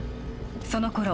そのころ